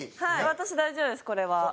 私大丈夫ですこれは。